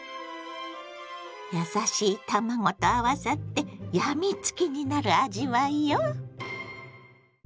優しい卵と合わさって病みつきになる味わいよ。